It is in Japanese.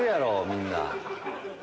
みんな。